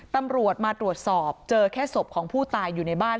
ตำรวจมาตรวจสอบเจอแค่ศพของผู้ตายอยู่ในบ้าน